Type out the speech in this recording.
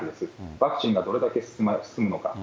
ワクチンがどれだけ進むのか。